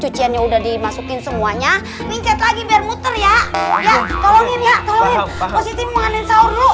kecilnya udah dimasukin semuanya minyak lagi biar muter ya ya tolongin ya tolong